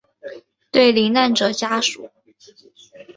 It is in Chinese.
对罹难者家属